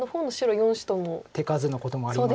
手数のこともありますし。